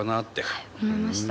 はい思いました。